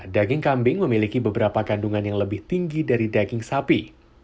daging kambing memiliki beberapa kandungan yang lebih tinggi dari daging sapi